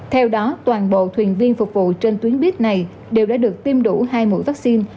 theo đó toàn bộ thuyền viên phục vụ trên tuyến buýt này đều đã được tiêm đủ hai mũi vaccine